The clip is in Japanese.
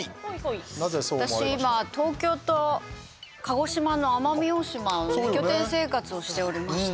私、今東京と鹿児島の奄美大島の２拠点生活をしておりまして。